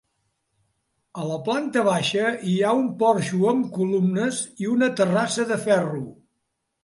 A la planta baixa hi ha un porxo alb columnes i una terrassa de ferro.